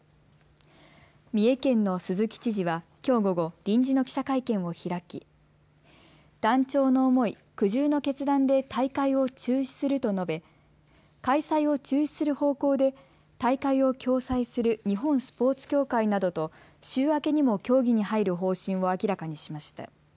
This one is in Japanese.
三重県の鈴木知事は、きょう午後、臨時の記者会見を開き断腸の思い、苦渋の決断で大会を中止すると述べ開催を中止する方向で大会を共催する日本スポーツ協会などと週明けにも協議に入る方針を明らかにしました。